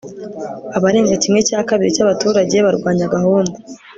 abarenga kimwe cya kabiri cyabaturage barwanya gahunda